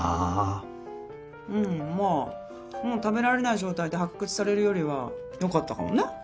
もう食べられない状態で発掘されるよりはよかったかもね。